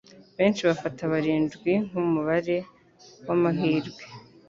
Benshi bafata barindwi nkumubare wamahirwe.